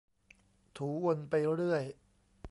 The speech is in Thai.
ถูวนไปเรื่อย